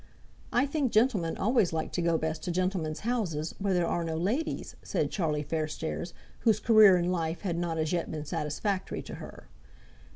"I think gentlemen always like to go best to gentlemen's houses where there are no ladies," said Charlie Fairstairs, whose career in life had not as yet been satisfactory to her.